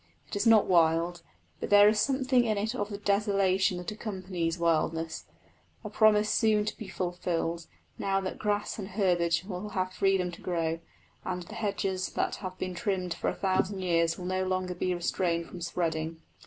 It is not wild, but there is something in it of the desolaton that accompanies wildness a promise soon to be fulfilled, now that grass and herbage will have freedom to grow, and the hedges that have been trimmed for a thousand years will no longer be restrained from spreading.